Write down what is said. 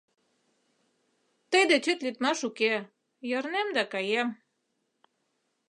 Тый дечет лӱдмаш уке, йырнем да каем...